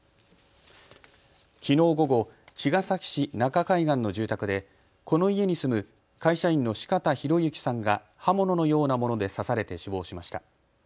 きのう午後、茅ヶ崎市中海岸の住宅でこの家に住む会社員の四方洋行さんが刃物のようなもので刺されて死亡しました。